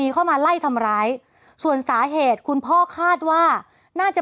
แค่มองหน้าหรอ